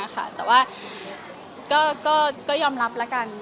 ก็ยอมรับละกัน